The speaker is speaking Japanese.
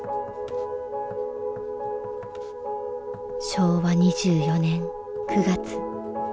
昭和２４年９月。